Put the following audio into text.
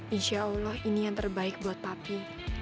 insya allah ini yang terbaik buat pati